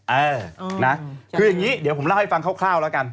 เออนะคืออย่างนี้เดี๋ยวผมเล่าให้ฟังคร่าวแล้วกัน